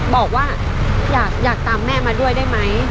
บอกว่าอยากตามแม่มาด้วยได้ไหม